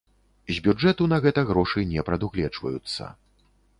З бюджэту на гэта грошы не прадугледжваюцца.